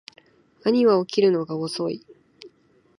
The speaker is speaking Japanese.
兄は起きるのが遅い